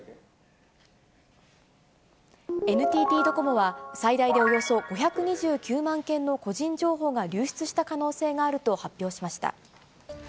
ＮＴＴドコモは、最大でおよそ５２９万件の個人情報が流出した可能性があると発表しました。